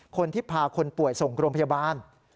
คนที่พาคนป่วยส่งโรงพยาบาล